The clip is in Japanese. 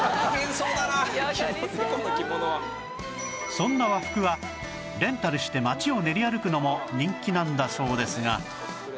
そんな和服はレンタルして街を練り歩くのも人気なんだそうですが